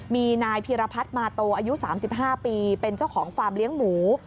มีนายพีรพัฒน์มาโตอายุ๓๕ปีเป็นเจ้าของฟาร์มเลี้ยงหมู